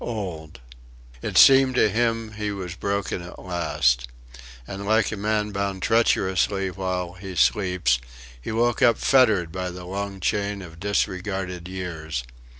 Old! It seemed to him he was broken at last. And like a man bound treacherously while he sleeps, he woke up fettered by the long chain of disregarded years.